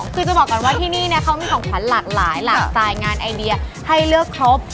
คือจะบอกก่อนว่าที่นี่เขามีของขวัญหลากหลายสไตล์งานไอเดียให้เลือกครบ